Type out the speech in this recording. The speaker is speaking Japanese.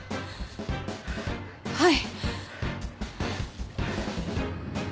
はい。